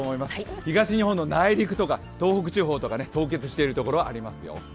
東日本の内陸とか東北地方とか凍結しているところがありますよ。